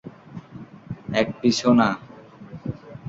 এক পিসও না।